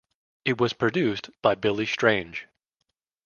It was produced by Billy Strange.